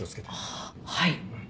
あっはい。